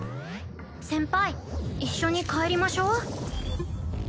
先輩一緒に帰りましょう？